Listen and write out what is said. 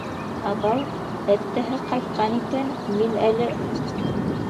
Абау, әттәһе ҡайтҡан икән, мин әле...